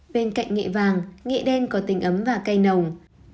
bên cạnh nghệ vàng nghệ đen có tính ấm và cay nồng